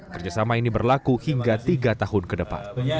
kerjasama ini berlaku hingga tiga tahun ke depan